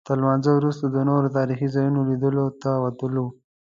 تر لمانځه وروسته د نورو تاریخي ځایونو لیدلو ته ووتلو.